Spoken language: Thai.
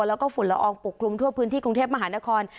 แล้วก็ฝุ่นละอองปกคลุมทั่วพื้นที่กรุงเทพมหานคร